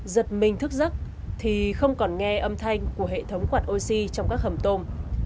giật mình thức giấc thì không còn nghe âm thanh của hệ thống quạt oxy trong các hầm tôm